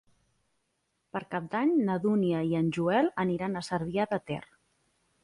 Per Cap d'Any na Dúnia i en Joel aniran a Cervià de Ter.